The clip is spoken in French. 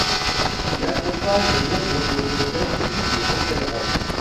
Il accompagne nombre de vedettes du rock 'n' roll.